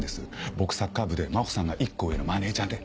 僕サッカー部で真帆さんが１コ上のマネジャーで。